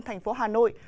thành phố hà nội